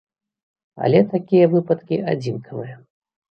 Але такія выпадкі адзінкавыя.